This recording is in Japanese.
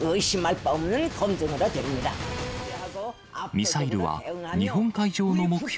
ミサイルは、日本海上の目標